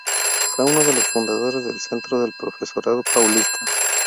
Fue uno de los fundadores del Centro del Profesorado Paulista.